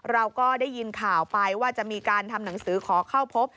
เราก็ได้ยินข่าวไปว่าจะมีการทำหนังสือขอเข้าพบ